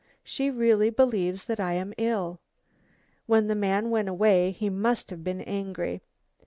She really believes that I am ill. When the man went away he must have been angry.